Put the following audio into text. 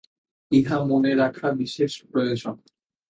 ইহা মনে রাখা বিশেষ প্রয়োজন।